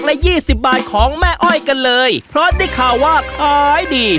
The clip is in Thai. ละยี่สิบบาทของแม่อ้อยกันเลยเพราะได้ข่าวว่าขายดี